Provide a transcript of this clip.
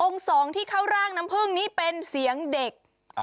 สองที่เข้าร่างน้ำผึ้งนี้เป็นเสียงเด็ก